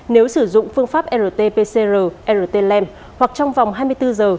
nếu sử dụng phương pháp rt pcr rt hoặc trong vòng hai mươi bốn giờ